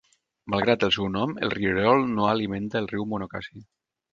Malgrat el seu nom, el rierol no alimenta el riu Monocacy.